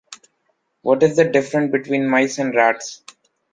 What is the difference between mice and rats?